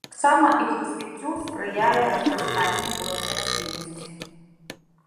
Таксама іх развіццю спрыяе разрастанне воднай расліннасці.